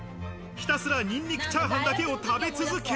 ひたすらニンニクチャーハンだけを食べ続け。